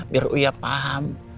biar uya paham